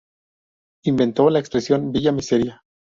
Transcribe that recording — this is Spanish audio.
Inventó la expresión "villa miseria".